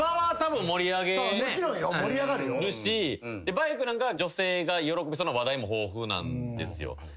バイクなんかは女性が喜びそうな話題も豊富なんですよ。